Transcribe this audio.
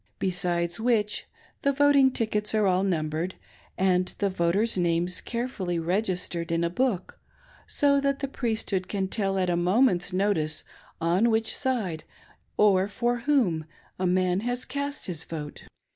Besides which, the voting tickets are all num bered, and the voters' names carefully registered in a book, so that the Priesthood can tell at a moment's notice on which HOW THEY MADE THE MULES VOTE ! 609 side, or for whom, a man has cast his vote.